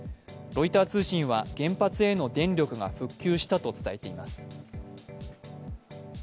ロイター通信は原発への電力が復旧したと伝えています。